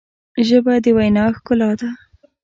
ژبه د وینا ښکلا ده